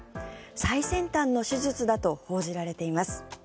最先端の手術だと報じられています。